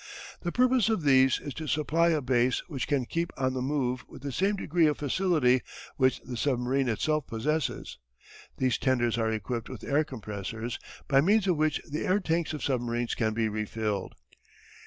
The purpose of these is to supply a base which can keep on the move with the same degree of facility which the submarine itself possesses. These tenders are equipped with air compressors by means of which the air tanks of submarines can be refilled.